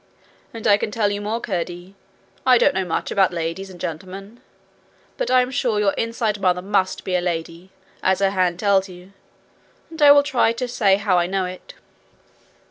And I can tell you more, Curdie. I don't know much about ladies and gentlemen, but I am sure your inside mother must be a lady, as her hand tells you, and I will try to say how I know it.